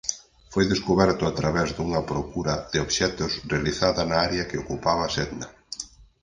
Foi descuberto a través dunha procura de obxectos realizada na área que ocupaba Sedna.